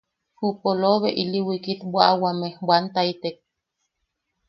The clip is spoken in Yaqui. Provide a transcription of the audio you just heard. Ju polobe ili wiikit bwaʼawame bwantaitek.